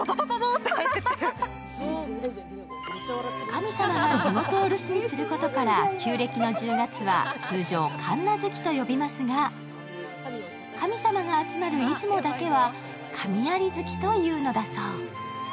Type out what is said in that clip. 神様が地元を留守にすることから旧暦の１０月は通常、神無月と呼びますが神様が集まる出雲だけは神在月というのだそう。